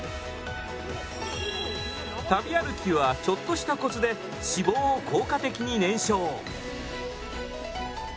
旅歩きはちょっとしたコツで脂肪を効果的に燃焼。